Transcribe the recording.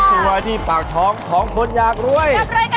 กำลังส่งก็อดที่ปากท้องท้องคนอยากรวย